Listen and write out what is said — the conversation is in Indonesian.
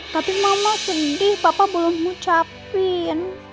tapi mama sedih papa belum ngucapin